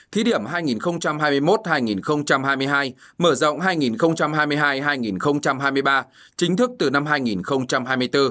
thí điểm hai nghìn hai mươi một hai nghìn hai mươi hai mở rộng hai nghìn hai mươi hai hai nghìn hai mươi ba chính thức từ năm hai nghìn hai mươi bốn